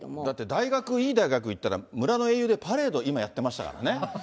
だって大学、いい大学行ったら、村の英雄でパレード、今やってましたからね。